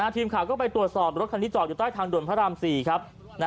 ทีมข่าวก็ไปตรวจสอบรถคันนี้จอดอยู่ใต้ทางด่วนพระราม๔ครับ